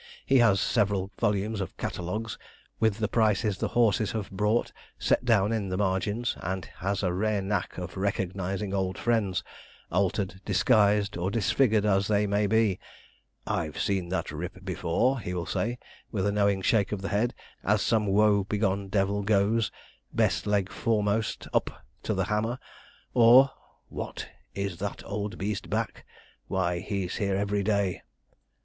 He has several volumes of 'catalogues,' with the prices the horses have brought set down in the margins, and has a rare knack at recognizing old friends, altered, disguised, or disfigured as they may be 'I've seen that rip before,' he will say, with a knowing shake of the head, as some woe begone devil goes, best leg foremost, up to the hammer, or, 'What! is that old beast back? why he's here every day.'